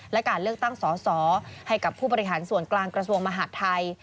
และการเลือกตั้งสอสอให้กับผู้บริหารส่วนกลางกระทรวงมหาดไทย